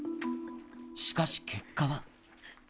しかし、結果は。